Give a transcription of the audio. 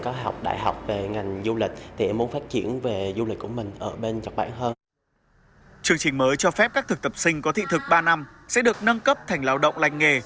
chương trình mới cho phép các thực tập sinh có thị thực ba năm sẽ được nâng cấp thành lao động lành nghề